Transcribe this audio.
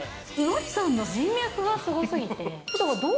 ノリさんの人脈がすごすぎて。